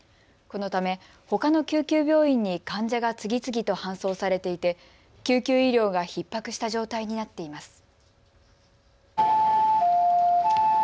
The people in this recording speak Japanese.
このため、ほかの救急病院に患者が次々と搬送されていて救急医療がひっ迫した状態になっています。